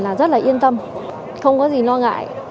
là rất là yên tâm không có gì lo ngại